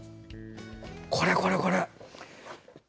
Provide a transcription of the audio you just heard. これこれこれ！